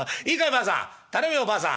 ばあさん頼むよばあさん。